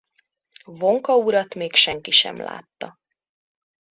Wonka urat még senki sem látta.